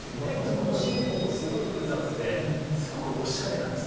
コード進行もすごい複雑ですごくオシャレなんですよね。